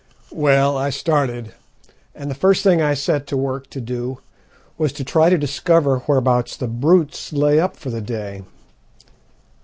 "Well, I started, and the first thing I set to work to do was to try to discover whereabouts the brutes lay up for the day.